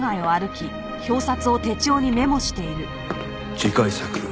次回作